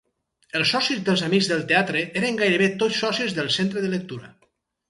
Els socis dels Amics del Teatre eren gairebé tots socis del Centre de Lectura.